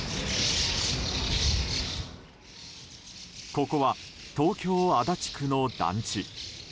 ここは東京・足立区の団地。